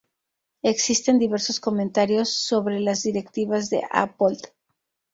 Existen diversos comentarios sobre las directivas de Apold.